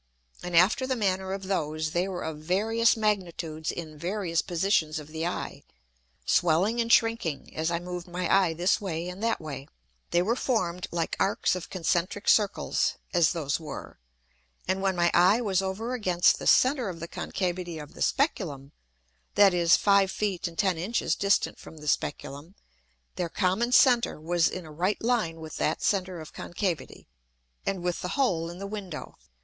And after the manner of those, they were of various magnitudes in various Positions of the Eye, swelling and shrinking as I moved my Eye this way and that way. They were formed like Arcs of concentrick Circles, as those were; and when my Eye was over against the center of the concavity of the Speculum, (that is, 5 Feet and 10 Inches distant from the Speculum,) their common center was in a right Line with that center of concavity, and with the hole in the Window.